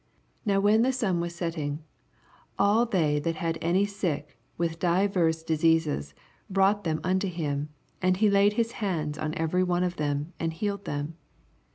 40 Now when the sun was setting, all they that had any sick with divers diseases brought them unto him ; and he laid his hands on every one of them, and healed them.